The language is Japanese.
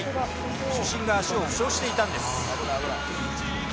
主審が足を負傷していたんです。